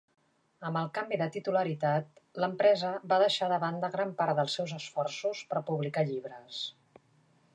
Amb el canvi de titularitat, l'empresa va deixar de banda gran part dels seus esforços per publicar llibres.